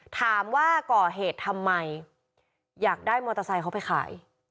ถามว่าก่อเหตุทำไมอยากได้มอเตอร์ไซค์เขาไปขาย